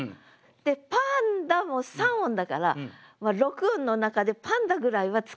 で「パンダ」も３音だから６音の中で「パンダ」ぐらいは使えるかなと。